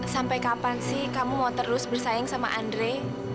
sampai kapan sih kamu mau terus bersaing sama andre